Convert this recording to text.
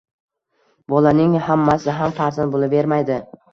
Bolaning hammasi ham farzand bo’lavermaydi.